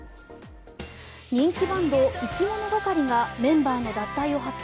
人気バンドいきものがかりがメンバーの脱退を発表。